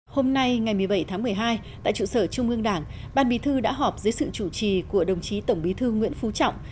hôm nay ngày một mươi bảy tháng một mươi hai tại trụ sở trung ương đảng ban bí thư đã họp dưới sự chủ trì của đồng chí tổng bí thư nguyễn phú trọng